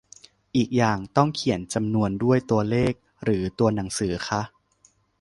อีกอย่าง ต้องเขียนจำนวนด้วยตัวเลขหรือตัวหนังสือคะ ?